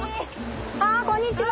あこんにちは。